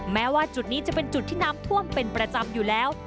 แม้ว่าจุดนี้จะเป็นจุดที่น้ำท่วมเป็นประจำอยู่แล้ว